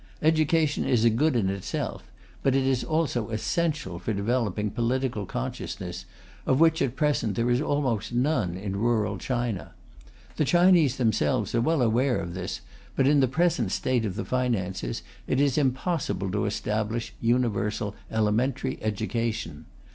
Education is a good in itself, but is also essential for developing political consciousness, of which at present there is almost none in rural China. The Chinese themselves are well aware of this, but in the present state of the finances it is impossible to establish universal elementary education.